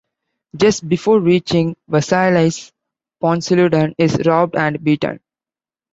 Just before reaching Versailles, Ponceludon is robbed and beaten.